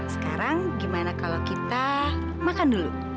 sekarang gimana kalau kita makan dulu